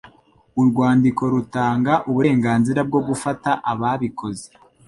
Urwandiko rutanga uburenganzira bwo gufata ababikoze